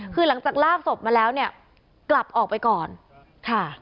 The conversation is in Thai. คือหลังจากลากศพมาแล้วเนี่ยกลับออกไปก่อนค่ะ